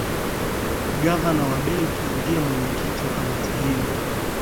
gavana wa benki ndiye mwenyekiti wa kamati hiyo